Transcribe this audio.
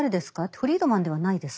フリードマンではないです。